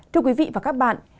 chúc quý vị và các bạn